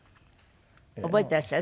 覚えていらっしゃる？